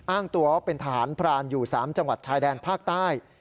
อ้างตัวว่าเป็นทหารพรานอยู่๓จังหวัดชายแดนภาคใต้